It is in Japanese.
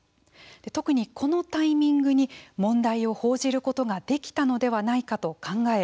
特にこのタイミングに問題を報じることができたのではないかと考え